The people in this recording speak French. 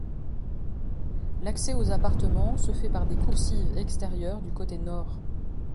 L'accès aux appartements se fait par des coursives extérieures du côté nord.